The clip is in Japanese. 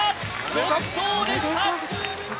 独走でした！